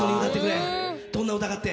どんな歌かって？